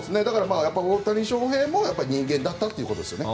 大谷翔平も人間だったということですよね。